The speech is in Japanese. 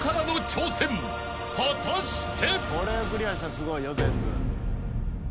［果たして］